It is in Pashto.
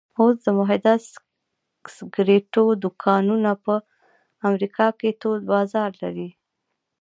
اوس د متحده سګرېټو دوکانونه په امریکا کې تود بازار لري